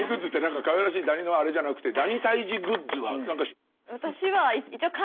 かわいらしいダニのあれじゃなくてダニ退治グッズは何か？